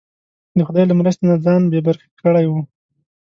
د خدای له مرستې نه ځان بې برخې کړی وي.